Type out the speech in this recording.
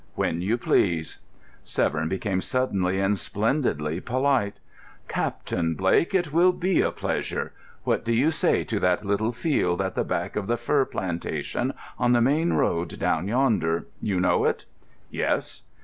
"When you please." Severn became suddenly and splendidly polite. "Captain Blake, it will be a pleasure. What do you say to that little field at the back of the fir plantation on the main road down yonder? You know it?" "Yes."